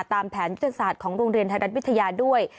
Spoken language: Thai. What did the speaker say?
ตามแผนยุทธศาสตร์ของโรงเรียนไทยรัฐวิทยาด้วย